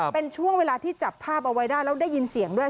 เป็นช่วงเวลาที่จับภาพเอาไว้ได้แล้วได้ยินเสียงด้วย